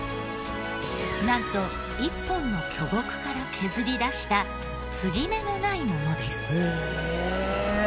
なんと１本の巨木から削り出した継ぎ目のないものです。